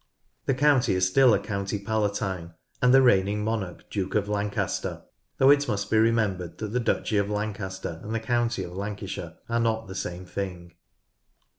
The county is still a County Palatine and the reigning monarch Duke of Lancaster, though it must be remem bered that the Duchy of Lancaster and the County of Lancashire are not the same thing.